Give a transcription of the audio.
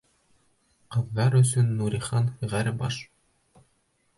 Ҡыҙҙар өсөн Нурихан ғәр., баш.